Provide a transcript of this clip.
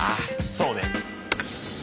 そうね。